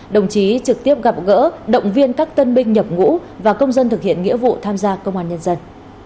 đồng chí trực tiếp gặp gỡ động viên các tân binh nhập ngũ và công dân thực hiện nghĩa vụ tham gia công an nhân dân